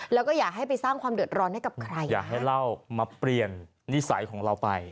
แล้วก็อย่าให้ไปสร้างความเดือดร้อนให้กับใครอยากให้เล่ามาเปลี่ยนนิสัยของเราไป